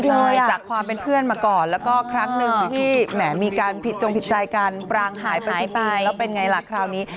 เลยจากความเป็นเพื่อนมาก่อนแล้วก็ครั้งหนึ่งที่แหมมีการผิดจงผิดใจกันปรางหายไปไปแล้วเป็นไงล่ะคราวนี้